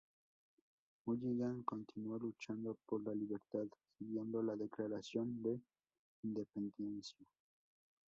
Mulligan Continuó luchando por la libertad siguiendo la Declaración de Independencia.